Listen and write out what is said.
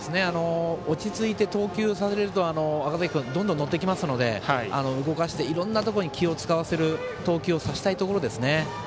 落ち着いて投球をされると赤嵜君はどんどん乗ってくるので動かして、いろんなところに気を使わせる投球をさせたいところですね。